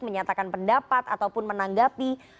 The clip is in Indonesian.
menyatakan pendapat ataupun menanggapi